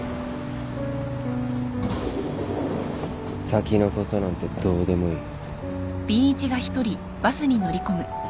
先のことなんてどうでもいい。